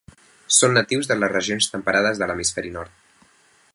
Són natius de les regions temperades de l'hemisferi nord.